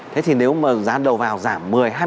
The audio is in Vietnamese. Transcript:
thế thì nếu mà giá đầu vào giảm một mươi hai